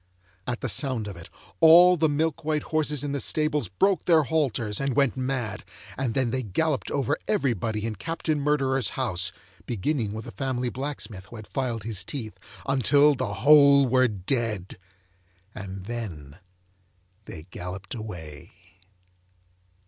At the sound of it, all the milk white horses in the stables broke their halters and went mad, and then they galloped over everybody in Captain Murderer's house (beginning with the family blacksmith who had filed his teeth) until the whole were dead, and then they galloped away.